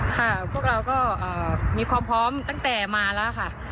พวกเราก็มีความพร้อมตั้งแต่มาแล้วค่ะ